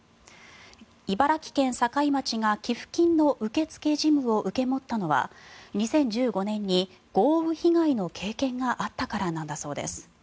茨城県境町が寄付金の受け付け事務を受け持ったのは２０１５年に豪雨被害の経験があったからなんだそうです。